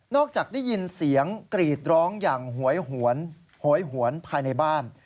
จากได้ยินเสียงกรีดร้องอย่างหวยหวนโหยหวนภายในบ้าน